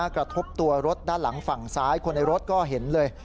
กระทบตัวรถด้านหลังฝั่งซ้ายคนในรถก็เห็นเลย